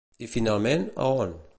I finalment, a on?